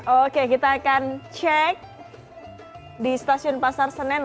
oke kita akan cek di stasiun pasar senen